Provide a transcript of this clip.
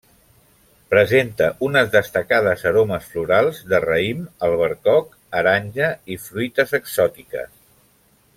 Presenta unes destacades aromes florals, de raïm albercoc, aranja i fruites exòtiques.